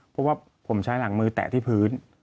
เพราะว่าผมใช้หลังมือแตะที่พื้น